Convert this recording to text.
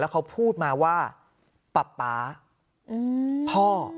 เขาพูดมาว่าป๊าป๊าพ่อ